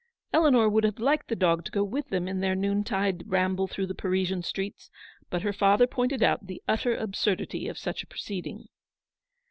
Eleanor would have liked the dog to go with them in their noontide ramble through the Parisian streets, but her father pointed out the utter absur dity of such a proceeding.